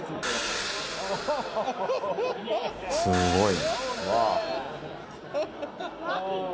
すごい。